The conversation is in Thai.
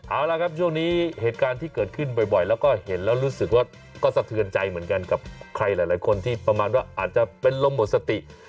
เอาละครับช่วงนี้เหตุการณ์ที่เกิดขึ้นบ่อยแล้วก็เห็นแล้วรู้สึกว่าก็สะเทือนใจเหมือนกันกับใครหลายคนที่ประมาณว่าอาจจะเป็นลมหมดสติ